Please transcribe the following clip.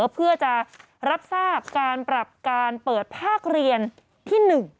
เพื่อจะรับทราบการปรับการเปิดภาคเรียนที่๑